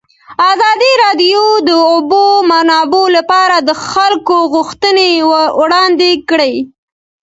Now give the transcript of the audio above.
ازادي راډیو د د اوبو منابع لپاره د خلکو غوښتنې وړاندې کړي.